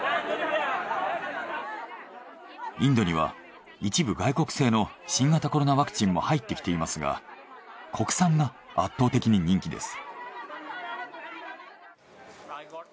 インドには一部外国製の新型コロナワクチンも入ってきていますが国産が圧倒的に人気です。